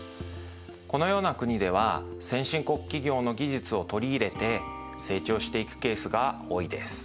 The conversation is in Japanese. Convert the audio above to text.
このような国では先進国企業の技術を取り入れて成長していくケースが多いです。